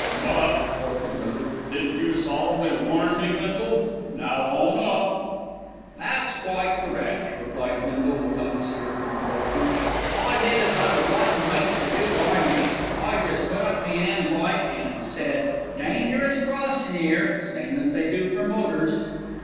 "But," broke in Little, "didn't you solemnly warn me, Bindle? Now own up." "That's quite correct," replied Bindle, with undisturbed composure. "I did as I would like a mate to do by me, I jest put up me 'and like an' said, 'Dangerous crossin' 'ere,' same as they do for motors."